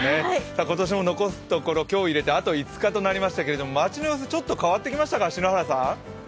今年も残すところ、今日を入れてあと５日となりましたけれども街の様子ちょっと変わってきましたか？